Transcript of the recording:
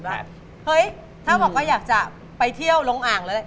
เฮ้ยถ้าบอกว่าอยากจะไปเที่ยวลงอ่างแล้ว